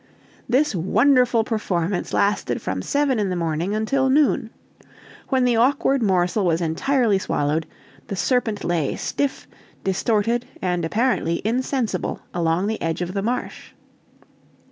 This wonderful performance lasted from seven in the morning until noon. When the awkward morsel was entirely swallowed, the serpent lay stiff, distorted, and apparently insensible along the edge of the marsh.